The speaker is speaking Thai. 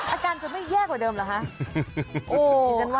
อาการจะไม่แย่กว่าเดิมเหรอคะ